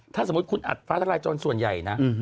ถ้าสมมุติคุณอัดฟ้าทลายโจรส่วนใหญ่นะ